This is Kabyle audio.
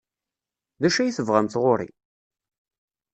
D acu ay tebɣamt ɣer-i?